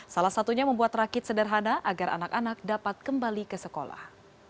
salah satunya membuat rakit sederhana agar anak anak dapat kembali ke sekolah